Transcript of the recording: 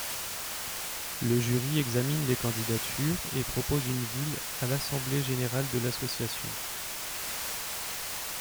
Le Jury examine les candidatures et propose une ville à l’Assemblée générale de l’association.